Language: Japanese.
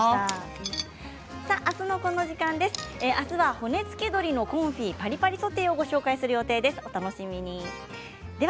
あすは骨付き鶏のコンフィパリパリソテーをご紹介する予定です。